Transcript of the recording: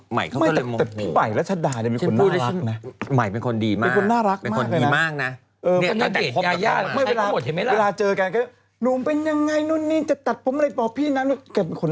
ใหม่เค้าก็เลยแต่พี่ไบ่แล้วชัตรวยัง